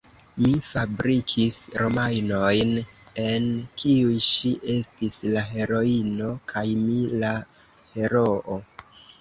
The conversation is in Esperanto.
Mi fabrikis romanojn, en kiuj ŝi estis la heroino, kaj mi la heroo.